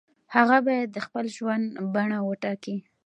هغه باید د خپل ژوند بڼه وټاکي.